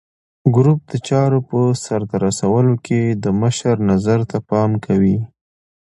ګروپ د چارو په سرته رسولو کې د مشر نظر ته پام کوي.